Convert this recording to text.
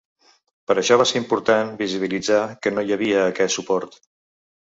Per això va ser important visibilitzar que no hi havia aquest suport.